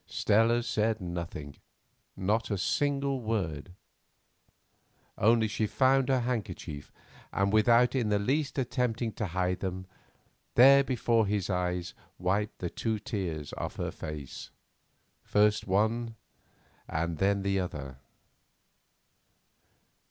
Stella said nothing, not a single word. Only she found her handkerchief, and without in the least attempting to hide them, there before his eyes wiped the two tears off her face, first one and then the other.